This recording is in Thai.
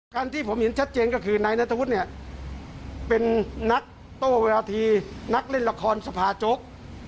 ที่ผมเห็นชัดเจนก็คือนายนัทธวุฒิเนี่ยเป็นนักโต้เวลาทีนักเล่นละครสภาโจ๊ก